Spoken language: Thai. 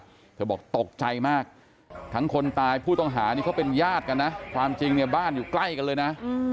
เธอบอกตกใจมากทั้งคนตายผู้ต้องหานี่เขาเป็นญาติกันนะความจริงเนี่ยบ้านอยู่ใกล้กันเลยนะ